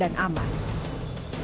dan berlangsung tertib dan aman